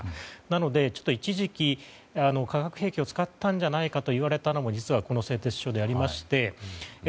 なので、一時期化学兵器を使ったんじゃないかと言われたのも実は、この製鉄所でありまして。